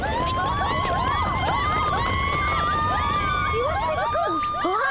石清水くんあっ！